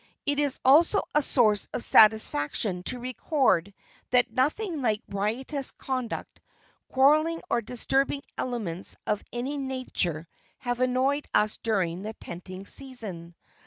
It is also a source of satisfaction to record that nothing like riotous conduct, quarreling or disturbing elements of any nature have annoyed us during the tenting season.